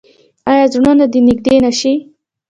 آیا زړونه دې نږدې نشي؟